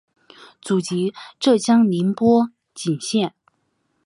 祖籍浙江宁波鄞县。